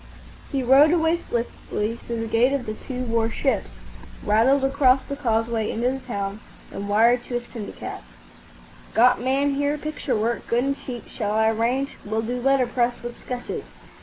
He rode away swiftly through the Gate of the Two War Ships, rattled across the causeway into the town, and wired to his syndicate, "Got man here, picture work. Good and cheap. Shall I arrange? Will do letterpress with sketches."